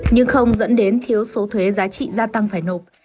nhưng không dẫn đến thiếu số thuế giá trị gia tăng phải nộp